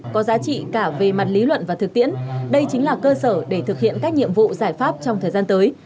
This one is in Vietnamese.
có giá trị cả về mặt lý luận và thực tiễn đây chính là cơ sở để thực hiện các nhiệm vụ giải pháp trong thời gian tới